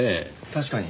確かに。